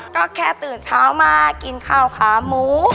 ก็แค่ตื่นเช้ามากินข้าวขาหมู